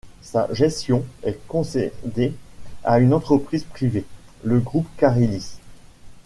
Sa gestion est concédée à une entreprise privée, le groupe Carilis.